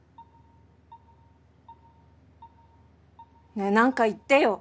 ねえなんか言ってよ。